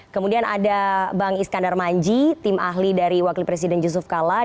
kemudian ada bang iskandar manji tim ahli dari wakil presiden yusuf kala